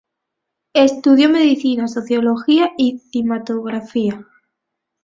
Estudió medicina, sociología y cinematografía.